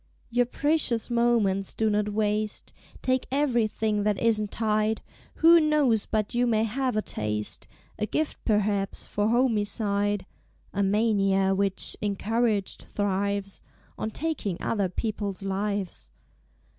Your precious moments do not waste; Take Ev'rything that isn't tied! Who knows but you may have a Taste, A Gift perhaps, for Homicide, (A Mania which, encouraged, thrives On Taking Other People's Lives).